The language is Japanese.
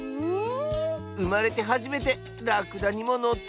うまれてはじめてラクダにものったぜ。